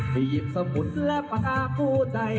พี่หยิบสมุดและปากกาผู้ใด